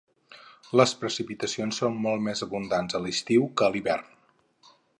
Les precipitacions són molt més abundants a l'estiu que a l'hivern.